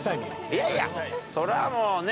いやいやそりゃもうね。